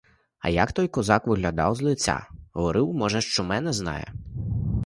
А як той козак виглядав з лиця, говорив, може, що мене знає?